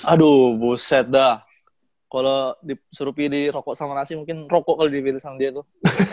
aduh buset dah kalau disuruh pilih rokok sama nasi mungkin rokok kalau dipilih sama dia tuh